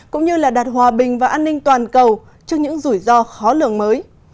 cũng như là đạt hòa bình và an ninh toàn cầu trước những rủi ro khó lường mới